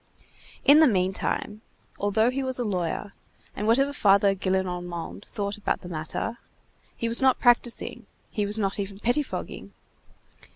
In the meantime, although he was a lawyer, and whatever Father Gillenormand thought about the matter, he was not practising, he was not even pettifogging.